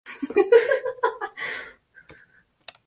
Tiene dos hijos: Rodrigo y Paula.